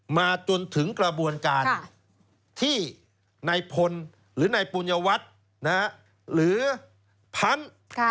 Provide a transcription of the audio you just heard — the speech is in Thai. มาจนถึงกระบวนการที่นายพลหรือนายปุญญวัตรหรือพันธุ์